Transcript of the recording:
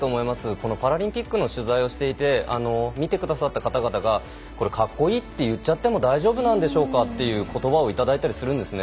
このパラリンピックの取材をしていて見てくださった方々がこれ格好いいって言っちゃっても大丈夫なんでしょうかということばをいただいたりするんですね。